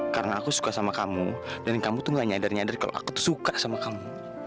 karena aku suka sama kamu dan kamu tuh gak nyadar nyadar kalau aku tuh suka sama kamu